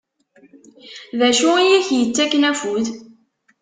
Dacu i ak-yettakken afud?